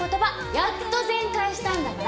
やっと全快したんだから。